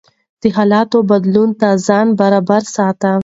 د حالاتو بدلون ته يې ځان برابر ساته.